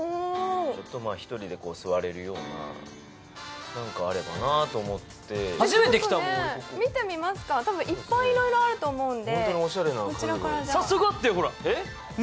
１人で座れるような、なんかあればなあと思って見てみますか、いっぱいあると思うんで。